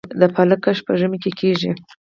د پالک کښت په ژمي کې کیږي؟